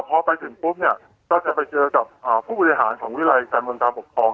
พอไปถึงปุ๊บเนี้ยก็จะไปเจอกับอ่าผู้วิทยาลัยของวิทยาลัยการบนทางปกครอง